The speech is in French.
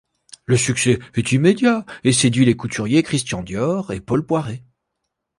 Le succès est immédiat et séduit les couturiers Christian Dior et Paul Poiret.